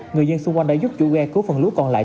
người dân xung quanh đã giúp chủ ghe cứu phần lúa còn lại